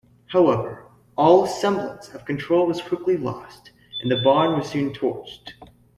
However, all semblance of control was quickly lost and the barn was soon torched.